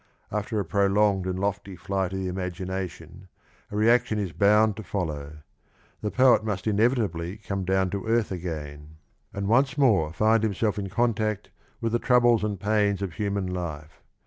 After a prolonged and lofty flight of the imagination a reaction is bound to follow; the poet must inevitably come down to earth again and once more find himself in contact with the troubles and pains of human life.